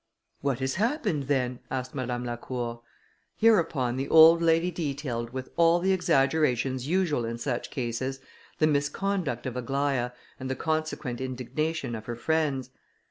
"What has happened then?" asked Madame Lacour. Hereupon the old lady detailed, with all the exaggerations usual in such cases, the misconduct of Aglaïa, and the consequent indignation of her friends.